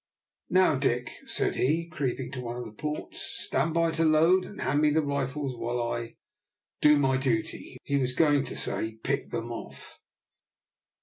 "Now, Dick," said he, creeping to one of the ports, "stand by to load, and hand me the rifles while I do my duty." He was going to say, "pick them off."